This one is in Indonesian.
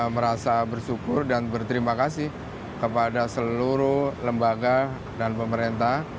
merasa bersyukur dan berterima kasih kepada seluruh lembaga dan pemerintah